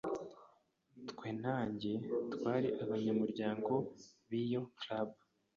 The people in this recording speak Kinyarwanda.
Twe na njye twari abanyamuryango b'iyo club.